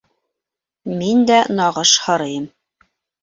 Мин дә нағыш һырыйым!